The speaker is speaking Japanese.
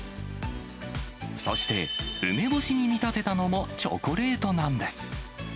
そして梅干しに見立てたのもチョコレートなんです。